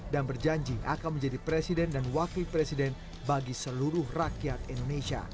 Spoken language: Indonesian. dan berjanji akan menjadi presiden dan wakil presiden bagi seluruh rakyat indonesia